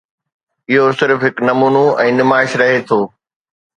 اهو صرف هڪ نمونو ۽ نمائش رهي ٿو.